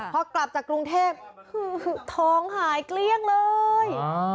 พอกลับจากกรุงเทพท้องหายเกลี้ยงเลย